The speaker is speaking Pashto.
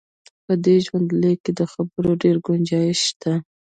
په دې ژوندلیک د خبرو ډېر ګنجایش شته.